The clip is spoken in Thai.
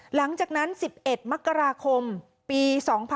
หลังจากนั้น๑๑มกราคมปี๒๕๖๒